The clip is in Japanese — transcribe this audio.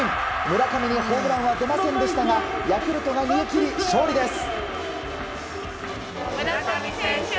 村上のホームランは出ませんでしたがヤクルトが逃げ切り、勝利です。